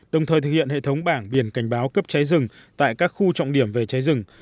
đồng thời thực hiện hệ thống bảng biển cảnh báo cấp cháy rừng tại các khu trọng điểm về cháy rừng